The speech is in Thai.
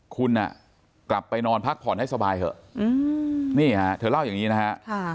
คุณกลับไปนอนพักผ่อนให้สบายเถอะนี่ฮะเธอเล่าอย่างนี้นะฮะ